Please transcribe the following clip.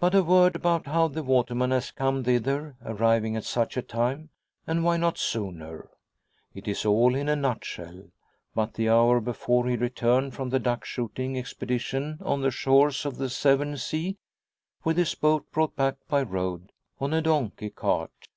But a word about how the waterman has come thither, arriving at such a time, and why not sooner. It is all in a nutshell. But the hour before he returned from the duck shooting expedition on the shores of the Severn sea, with his boat brought back by road on a donkey cart.